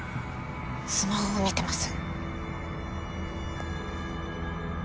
スマホを見てます